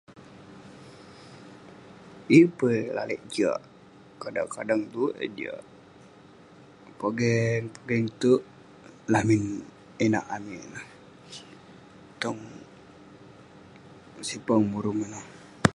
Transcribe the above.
Yeng pun eh lalek jiak, kadang kadang tue eh jiak. Pogeng-pogeng te'erk, lamin inak amik ineh, tong sipang Murum ineh.